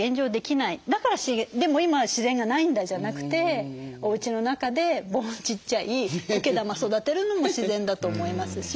だからでも今「自然がないんだ」じゃなくておうちの中でちっちゃいこけ玉育てるのも自然だと思いますし。